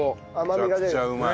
めちゃくちゃうまい！